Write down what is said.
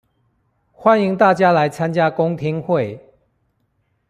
歡迎大家來參加公聽會